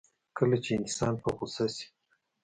کله چې انسان په غوسه شي.